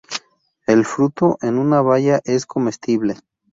El fruto en una baya es comestible.